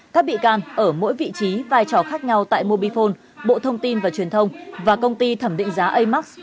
các bị can ở mỗi vị trí vai trò khác nhau tại mobifone bộ thông tin và truyền thông và công ty thẩm định giá amax